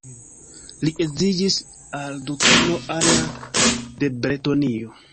Li edziĝis al dukino Ana de Bretonio.